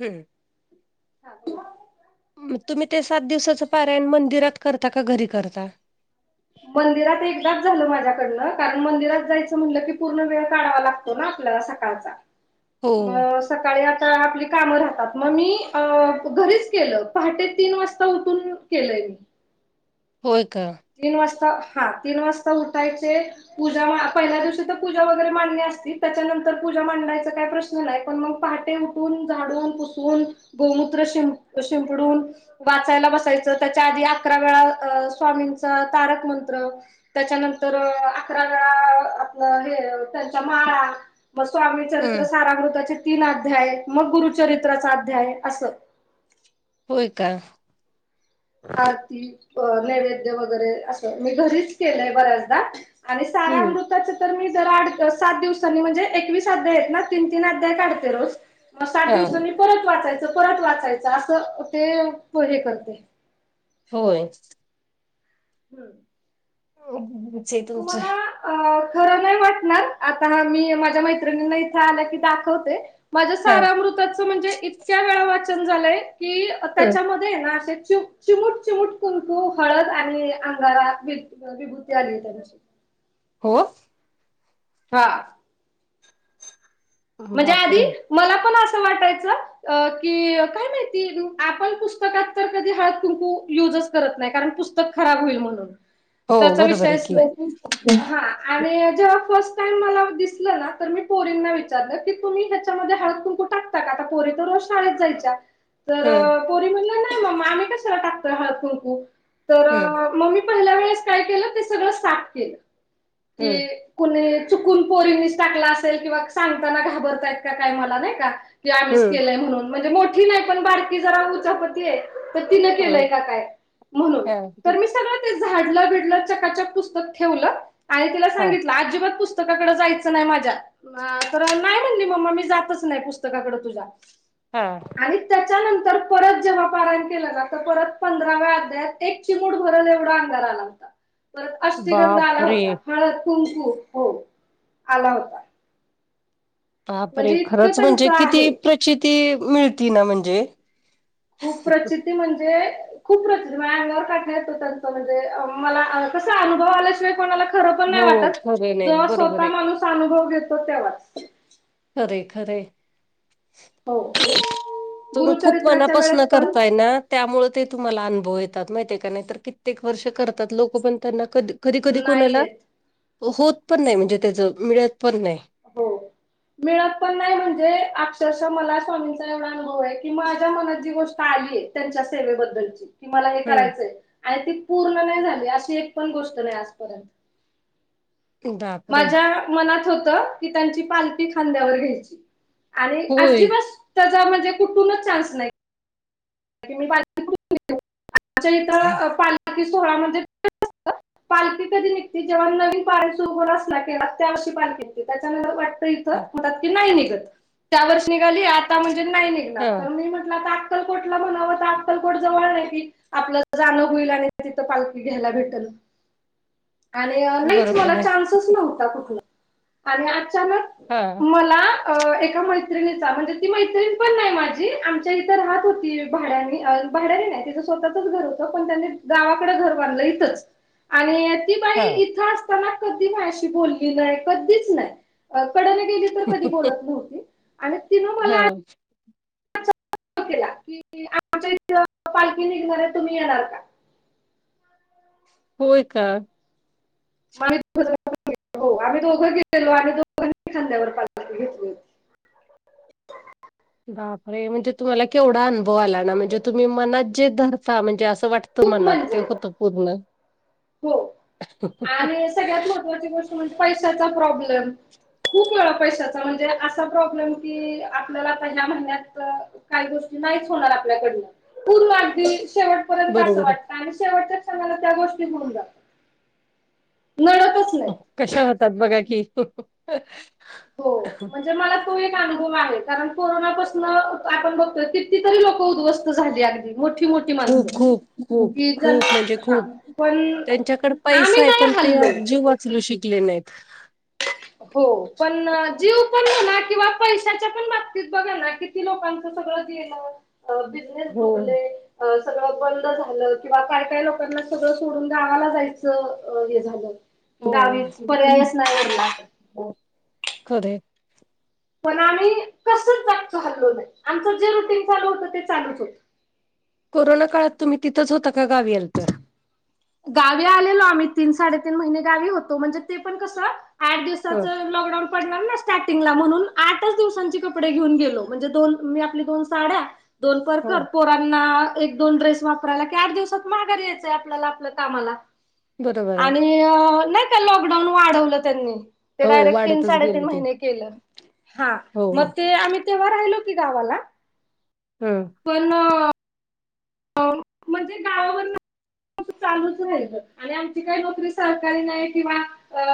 हम्म. चालेल. तुम्ही ते सात दिवसांचं पारायण मंदिरात करता का घरी करता? मंदिरात एकदाच झालं माझ्याकडनं, कारण मंदिरात जायचं म्हटलं की पूर्ण वेळ काढावा लागतो. आपल्याला सकाळचा हो मस. सकाळी आता आपली कामं राहतात, मग मी अ घरीच केलं. पहाटे तीन वाजता उठून. केलयं मी. होय का? तीन वाजता, हा तीन वाजता उठायचे. पूजा पहिल्या दिवशी तर पूजा वगैरे मांडणी असती. त्याच्यांतर पूजा मांडायचा काय प्रश्न? नाही, पण मग पहाटे उठून झाडून पुसून गोमूत्र शिं-शिंपडून वाचायला बसायचं. त्याच्या आधी अकरा वेळा स्वामींचा तारक मंत्र त्याच्यानंतर अकरा वेळा आपलं हे त्यांचा माळा मग स्वामी चरित्र हम्म सारामृताचे तीन अध्याय, मग गुरुचरित्राचा अध्याय, असं. होय का? आरती, नैवेद्य वगैरे असं मी घरीच केलंय बऱ्याचदा आणि हम्म. तसं तर मी जरा सात दिवसांनी म्हणजे, एकवीस अध्याय आहेत ना, तीन-तीन अध्याय काढते रोज मग साठ हा दिवसांनी परत वाचायचं, परत वाचायचं, असं ते हे करते. होय. हम्म. [unintelligible] तुमचं तुम्हाला अ खरं नाही वाटणार, आता मी माझ्या मैत्रिणींना इथं आलं की दाखवते. माझं हा सारामृताचं म्हणजे इतक्या वेळा वाचन झालंय की त्याच्यामध्ये नाही, असे चिमूट-चिमूट कुंकू, हळद आणि अंगारा मिळतो. अ, विभूती आली आहे त्यादिवशी हो. हा. म्हणजे आधी बापरे मला पण असं वाटायचं की, काय माहिती, आपण पुस्तकात. तर कधी हळदी-कुंकू युजच करत नाही, कारण पुस्तक खराब होईल म्हणून. हो त्याचा बरोबर आहे विषयच की नाही, हम्म हा. आणि जेव्हा फर्स्ट टाइम मला दिसलं ना, तर मी पोरींना विचार तुम्ही ह्याच्यामध्ये हळद कुंकू टाकता का आता पोरे तर रोज शाळेत जायच्या. ह. तर पोरी म्हणल्या नाही मम्मा आम्ही कशाला टाकतोय हळद कुंकू. हम् मग मी पहिल्या वेळेस काय केलं ते सगळं साफ केलं की कुणी चुकून पोरींनीच टाकला असेल किंवा सांगताना घाबरतायत का काय मला नाही का? ते आम्हीच हम्म केलंय म्हणून म्हणजे मोठी नाही पण बारकी जरा उचापती आहे. तर तिनं केलंय का काय म्हणून तर मी हा सगळं झाडलं भिडलं चकाचक पुस्तक ठेवलं आणि तिला सांगितलं अजिबात पुस्त पुस्तकाकडं जायचं नाही माझ्या तर नाही म्हणली मम्मा मी जातच नाही पुस्तकाकडे तुझ्या. हा आणि त्याच्यानंतर परत जेव्हा पारायण केलं ना तेव्हा परत पंधराव्या अध्यायत एक चिमूट भरल एवढा अंगारा आला होता. परत अष्टगंध आला बापरे होता. हळद कुंकू हो आला होता. बापरे! म्हणजे इतकं खरंच त्यांच म्हणजे किती आहे. प्रचिती मिळती ना म्हणजे खूप प्रचिती म्हणजे? खूप प्रचिती मग माझ्या अंगावर काठा येतो म्हणजे मला कसा अनुभव आल्याशिवाय कोणाला खर पण हो नाही वाटत खरे नाही जेव्हा बरोबर स्वतः आहे माणूस अनुभव घेतो तेव्हाच. खरं खरंय. हो तुम्ही खूप गुरुचरित्राच्या मनापासन वेळेस पण करताय ना त्यामुळे ते तुम्हाला अनुभव येतात माहिती आहे का नाही तर कित्येक वर्ष करतात लोक पण त्यांना कधी. कधी कधी नाही कोणाला येत. होत पण नाही म्हणजे त्याच मिळत पण नाही. हो मिळत पण नाही म्हणजे अक्षरशः मला स्वामींचा एवढा अनुभव आहे की माझ्या मनात जी गोष्ट आली आहे त्यांच्या सेवेबद्दलची कि मला हे हम्म करायचंय आणि ती पूर्ण नाही झाली अशी एक पण गोष्ट नाही आजपर्यंत. बापरे माझ्या मनात होत की त्यांची पालखी खांद्यावर घ्यायची. आणि होय अजिबात त्याचा म्हणजे कुठूनच चान्स नाही. म्हणजे मी पालखी अच्छा इथे पालखीचा सोहळा म्हणजे पालखी कधी निघते जेव्हा नवीन पारायण सुरू होणार च ना त्या वर्षी पालखी निघते. त्याच्या नंतर पालखी इथ म्हणतात की नाही निघत त्या वर्ष निघाली आता म्हणजे नाही निघणार हा तर मी म्हटलं आता अक्कलकोटला म्हणावं ते अक्कलकोट जवळ आहे की ते आपलं जाणं होईल आणि तिथं पालखी घ्यायला भेटेल. आणि नाहीच मला बरोबर आहे चान्सस नव्हता कुठून आणि अचानक हा मला अ एका मैत्रिणीचा म्हणजे ती मैत्रिण पण नाही माझी आमच्या इथे राहत होती भाड्याने नाही भाड्याने नाही तिचं स्वतःचं स्वतःचच घर होतं पण त्यांनी गावाकडे घर बांधलं इथेच आणि ती हा तिथं असताना कधी माझ्याशी अशी बोलली नाही कधीच नाही. कडन गेली तर कधी बोलत नव्हती आणि तिनं हा मला [unintelligible] कि आमच्या इथ पालखी निघणार आहे तुम्ही येणार का? होय का? आम्ही दोघ गेलेलो आणि तो [inaudible] बापरे, म्हणजे तुम्हाला केवढा अनुभव आला ना म्हणजे तुम्ही मनात जे धरता म्हणजे असं वाटत. खूप मनात ते म्हणजे होत पूर्ण हो पण पैशाचा प्रॉब्लम खूप वेळा पैशाचा म्हणजे असा प्रॉब्लेम की, आपल्याला आता ह्या महिन्यात काही गोष्टी नाहीच होणार आपल्याकडून पूर्ण अगदी शेवट पर्यं त असं बरोबर आहे. वाटतं आणि शेवटच्या क्षणाला त्या गोष्टी होऊन जातात मनातच नाही कशा होतात बघा की ह हो म्हणजे मला तो एक अनुभव आहे, कारण कोरोनापासन आपण बघतोय किती तरी लोक उद्ध्वस्त झाली अ हो, खूप खूप खूप कि जण खूप म्हणजे हा खूप पण त्यांच्याकड आम्ही पैसा ये, पण नाही ते हल्लो जीव वाचवू शिकले नाहीत. हो, पण जीव पण हो ना किंवा पैशाच्या पण बाबतीत बघा ना किती लोकांच सगळं गेल, बिजनेस हो. डुबले. अ सगळं बंद झालं किंवा काय काय लोकांना सगळं सोडून गावाला जायचं हे झालं. की गावीच पर्यायच नाही उरला. हो खरये. पण आम्ही कसं जागच हललो नाही, आमचं जे रुटीन चालू होतं ते चालूच होतं. कोरोना काळात तुम्ही तिथंच होता का गावी आलता. गावी आलेलो आम्ही तीन साडेतीन महिने गावी होतो, म्हणजे ते पण कसं आठ दिवसाच हं लॉकडाऊन पडला ना स्टार्टिंगला म्हणून आठच दिवसांचे कपडे घेऊन गेलो म्हणजे दोन मी आपली दोन साड्या दोन परकर, हं पोरांना एक दोन ड्रेस वापरायला की आठ दिवसात घरी यायचंय आपल्याला आपल्या कामाला बरोबर आहे. आणि अ ते लॉकडाऊन वाढवलं त्यांनी ते हो डायरेक्ट तीन वाढतच साडेतीन गेलं ते महिने केलं, हा हो मग ते आम्ही तेव्हा राहिलो की गावाला हम्म पण म्हणजे गावावरन चालूच राहियल आणि आमची काय नोकरी सरकारी नाही किंवा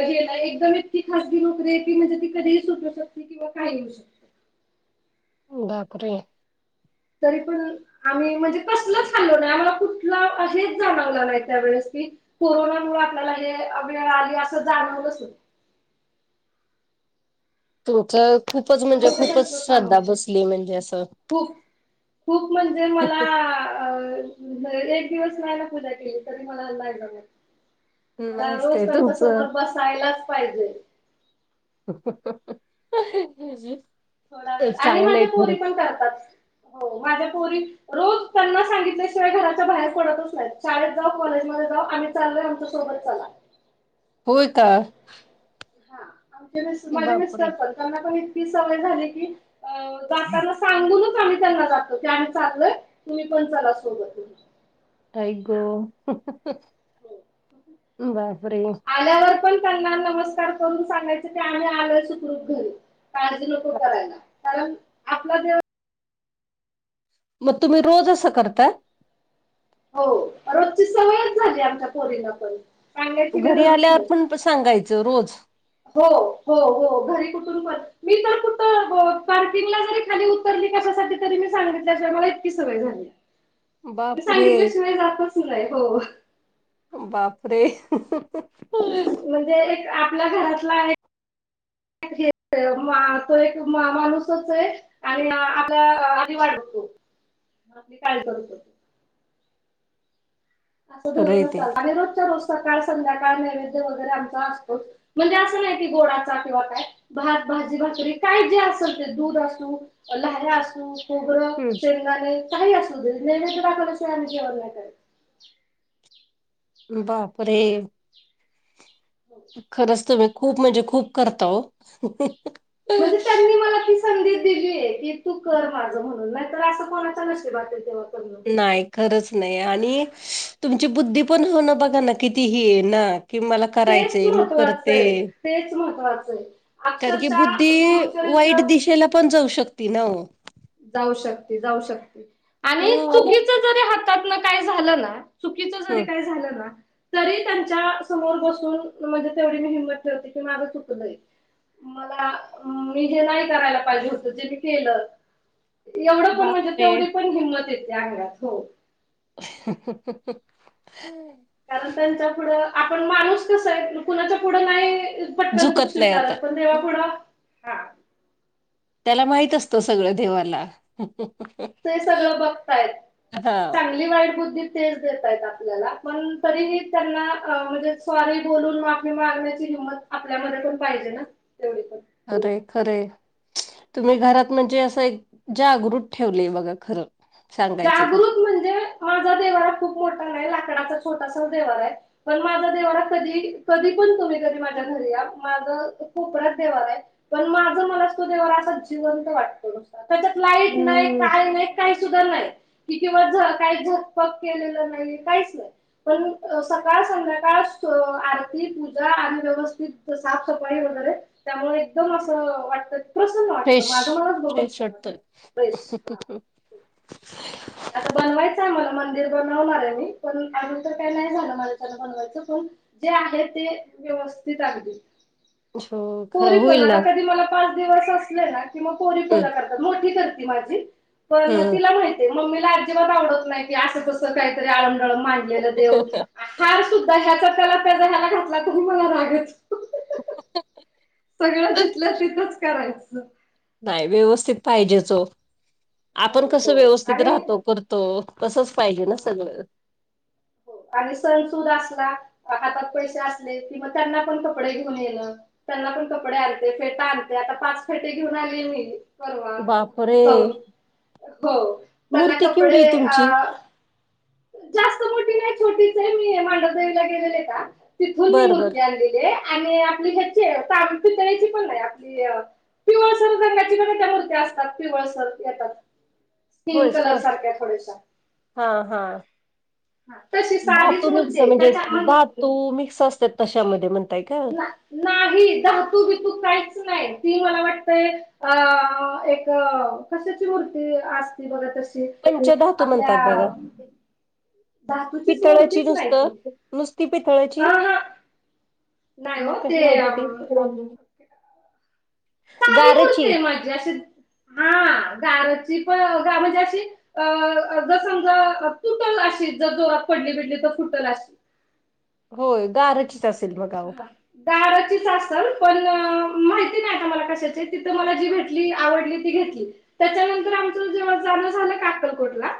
हे ना एकदम इतकी खाजगी नोकरी आहे ती म्हणजे ती कधीही सुटू शकते किंवा काही होऊ शकते. बापरे! तरी पण आम्ही म्हणजे कसलच हाल्लो नाही आम्हाला कुठला हेच जाणवला नाही त्यावेेळेस की कोरोनामुळ आपल्याला हे वेळ आली असं जाणवलंच तुमचं खूपच इतकं म्हणजे खूपच त्यांचं श्रद्धा सांगायचं बसलीये म्हणजे असं खूप खूप म्हणजे मला अ एक दिवस रायला पूजा केली तरी मला अंदाज लागला नाही. मला मस्त रोज आहे त्यांच्या तुमचं. समोर बसायलाच पाहिजे. [unintelligible] थोडा वेळ आणि माझ्या चांगलंय पोरी खरं पण करतात हो, माझ्या पोरी रोज त्यांना सांगितल्याशिवाय घराच्या बाहेर पडतच नाहीत शाळेत जावो, कॉलेजमध्ये जावो आम्ही चाललोय आमच्या सोबत चला. होय का. हां आमचे माझे मिस्टर बापरे! पण त्यांना पण इतकी सवय झालीये की अ जाताना सांगूनच आम्ही त्यांना जातो त्यान आम्ही चाललोय तुम्ही पण चला सोबत म्हणून. आई गं! बापरे! आल्यावर पण त्यांना नमस्कार करून सांगायचं ते आम्ही आलोय सुखरूप घरी. काळजी नको करायला कारण आपला देव मग तुम्ही रोज असं करता? हो रोजची सवयच झाली आमच्या पोरींना पण. सांगायची घरी गरजच आल्यावर नाही. पण सांगायचं रोज? हो हो हो घरी कुठून पण. मी तर कुठं पार्किंगला जरी खाली उतरली कशासाठी तरी मी सांगितल्याशिवाय मला इतकी सवय झाली. [inaudible] बापरे! सांगितल्याशिवाय जातच नाही हो बापरे! [inaudible] ते एक आपल्या घरातला आहे [unintelligible] तो एक माणूसच आहे. आणि आपल्या आधी वाट बघतो, आपली काय करतो. असं खरं य धरूनच ते चालतो आणि रोजच्या रोज सकाळ संध्याकाळ नैवेद्य वगैरे आमचा असतोच. म्हणजे असं नाही की गोडाचा किंवा काय भात भाजी भाकरी काही जे असेल ते दूध असो लाह्या असो. खोबरं हम्म शेंगंदाणे काही असूदे नैवेद्य दाखवल्या शिवाय आम्ही जेवण नाही करायचं. बापरे! खरंच तुम्ही खूप म्हणजे खूप करता हो. म्हणजे त्यांनी मला ती स संधी दिलीय की तू कर माझं म्हणून नाहीतर असं कोणाच्या नशीबात येतंय हो करण. नाही खरंच नाही आणि तुमची बुद्धी पण हो ना बघा ना किती ही ना की मला करायच तेच आहे मी महत्त्वाचं करते आहे तेच महत्त्वाचं आहे. कारण की अक्षरशः बुद्धी गुरुचरित्र वाईट दिशेला पण जाऊ शकते ना हो. जाऊ शकते जाऊ शकते आणि हो चुकीच जरी हातातन काय झालं ना चुकीच जरी हम्म काही झालं ना तरी त्यांच्या समोर बसून म्हणजे तेवढी मी हिंमत ठेवते की माझं चुकलंय. मला मी जे नाही करायला पाहिजे होतं ते मी केलं. एवढं पण म्हणजे बापरे तेवढी पण हिंमत येते अंगात हो. [inaudible] कारण त्यांच्या पुढं आपण माणूस कसं आहे कुणाच्या पुढं नाही पटकन चूक झुकत नाही आता स्वीकारत पण देवापुढं हां. त्याला माहित असतं सगळं देवाला. [inaudible] ते सगळं बघताहेत हा चांगली वाईट बुद्धी तेच देत आहेत आपल्याला पण तरीही त्यांना म्हणजे सॉरी बोलून माफी मागण्याची हिंमत आपल्यामध्ये पण पाहिजे ना तेवढी पण. अरे खरं आहे तुम्ही घरात म्हणजे असं एक जागृत ठेवलेय बघा खरं. सांगायचं तर जागृत म्हणजे माझा देव्हारा खूप मोठा नाही लाकडाचा छोटासाच देव्हारा आहे. पण माझा देव्हारा कधी, कधी पण तुम्ही कधी माझ्या घरी या माझं कोप-यात देव्हारा आहे. पण माझं मलाच, तो देव्हारा असा जिवंत वाटतो नुसता, त्याच्यात लाईट नाही, हम्म काय नाही, काही सु द नाही, किती दिवस झ, काही झगपक केलेलं नाही, काहीच नाही. पण सकाळ-संध्याकाळ आरती, पूजा आणि व्यवस्थित साफसफाई वगैरे त्यामुळे एकदम असं वाटतं, प्रसन्न वाटतं, फ्रेश माझं मलाच बघून छान वाटतं, फ्रेश, हां. आता बनवायचं आहे, मला मंदिर बनवणार ये मी, पण आजुन तर काही नाही झालं, माज्याच्यानं बनवायचं, पण जे आहे, ते व्यवस्थित अगदी, हो खरं पोरी पण, होईल आता ना कधी मला पा च दिवस असले ना, कि पोरी पूजा हम्म करतात, मोठी करती माझी, पण हम्म. तिला माहि ती, मम्मीला अजिबात आवडत नाही की, असं-कसं काहीतरी आंळम-डळम, मांडलेलं देव. हार सुद्धा, ह्याचा त्याला, त्याचा ह्याला घातला, तरी मला राग येतो. [inaudible] सगळं, जिथल्या तिथंच करायचं. नाय, व्यवस्थित पाहिजेच ओ, हो आपण कसं हो व्यवस्थित आणि राहतो, करतो. तसंच पाहिजे ना, सगळं? हो, आणि सण-सुद असला म हातात पैसे असले, कि म त्यांना पण कपडे घेऊन, येणं. त्यांना पण कपडे आणते, फेटा आणते, आता पाच फेटे घेऊन आले मी. परवा, बापरे जऊन हो, त्यांना मूर्ती केवढी कपडे आहे तुमची अं जास्त मोठी नाही, छोटीच ये, मी हे मांडरदेवीला गेलेले का, तिथून मी बर बर मूर्ती आणलेली ये. आणि आपली ह्याची, ताम पितळेची पण नही, आपली पिवळसर रंगाची [unintelligible] त्या मूर्त्या असतात, पिवळ सर येतात स्किन होय कलर सच, सारख्या थोड्याशा हां हां. हा, तशी साधीच धातू मूर्ती मिक्स, आहे म्हणजे त्याच्या धातू मिक्स असत्यात, तशामध्ये म्हणताय का? नाही, धातू-बीतू काहीच नाही, ती मला वाटतंय अं, एक, कशाची मूर्ती अस ती, बघा तशी? पंचधातू आपल्या म्हणतात बघा धातुचीच, पितळाची मुर्तीच नाही नुसतं ती. नुसती ह पितळ्याची? हा नाही हो मग कशी ते म्हणली ती? गार [unintelligible] [unintelligible] हां गाराची प, म्हणजे अशी अं, गं समजा, तुटल अशी, जर जोरात पडली-बिडली, तर फुटल अशी. होय गारचीच असेल, मग आओ. गाराचीच असल, पण माहिती नाही, आता मला कशाची, तिथं मला जी भेट जी आवडली, ती घेतली, त्याच्यानंतर आमचं जेव्हा जाण झालं का, अक्कलकोट ला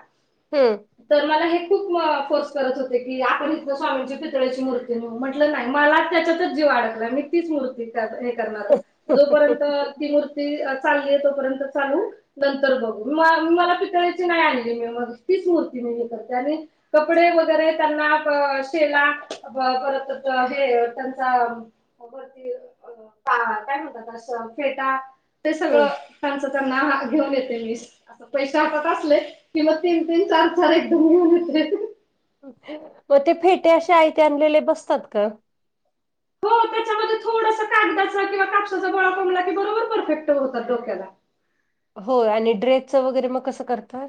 ह्म. तर मला, हे खूप फोर्स करत होते की, आपण इथनं स्वामींची पितळाची मूर्ती नेऊ, म्हण लं नाही, मला त्याच्यातच जीव अडकला, मी तीच मूर्ती त्यात हे करणार, जोपर्यंत ती मूर्ती अ चालली य, तोपर्यंत चालू नंतर बघू, म-मला पितळेची नाही आणली, मी मग तीच मूर्ती मी हे करते, आणि कपडे, वगैरे त्यांना, प शेला, अ परत हे त्यांचा अगं ते, अ कांना, काय म्हणतात त्याला? फेटा ते सगळं हम्म. त्यांच त्यांना, हा त घेऊन येते, मीच. आता पैशे हातात असले, कि मग तीन- तीन, चार -चार एकदम घेऊन येते. म, ते फेटे अशे आयते आणलेले, बसतात का? हो, त्याच्यामध्ये थोडसा कागदाचा किंवा कापसाचा गोळा कोंबला की, बरोबर परफेक्ट होतात, डोक्याला. होय आणि ड्रेसचं वगैरे मग कसं करतात